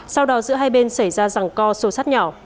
sau đó giữa hai bên xảy ra rằng co sổ sắt nhỏ